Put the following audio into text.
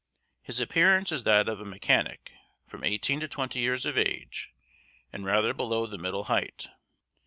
His appearance is that of a mechanic, from 18 to 20 years of age, and rather below the middle height.